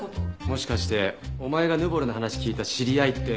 もしかしてお前がヌボルの話聞いた知り合いって。